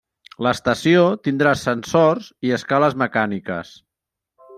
L'estació tindrà ascensors i escales mecàniques.